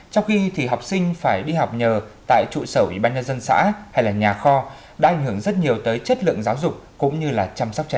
trong khi thì học sinh phải đi học nhờ tại trụ sở ủy ban nhân dân xã hay là nhà kho đã ảnh hưởng rất nhiều tới chất lượng giáo dục cũng như là chăm sóc trẻ